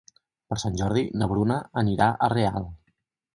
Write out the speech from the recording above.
Per Sant Jordi na Bruna anirà a Real.